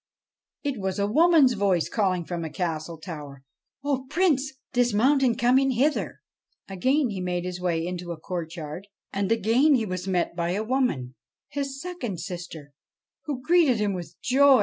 It was a woman's voice calling from a castle tower :' O Prince I Dismount and come in hither !' Again he made his way into a courtyard, and again he was met by a woman his second sister who greeted him with joy.